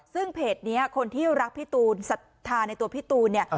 ซึ่งเพจนี้คนที่รักพี่ตูนศรัทธาในตัวพี่ตูนเนี่ย